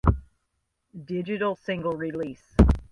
Digital single release